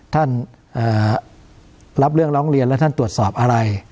ท่านรับเรื่องร้องเรียนแล้วท่านตรวจสอบอะไร